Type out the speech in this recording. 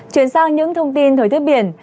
chuyển sang những thông tin thời tiết biển